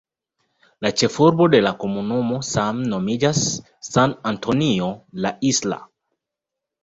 La ĉefurbo de la komunumo same nomiĝas "San Antonio la Isla".